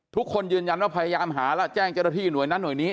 ทุกคนยืนยันว่าพยายามหาแล้วแจ้งเจ้าหน้าที่หน่วยนั้นหน่วยนี้